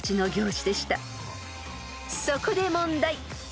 ［そこで問題］